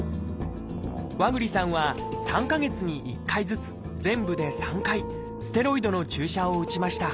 和栗さんは３か月に１回ずつ全部で３回「ステロイド」の注射を打ちました。